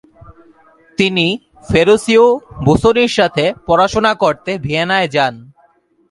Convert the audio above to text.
তিনি ফেরুসিও বুসোনির সাথে পড়াশোনা করতে ভিয়েনায় যান।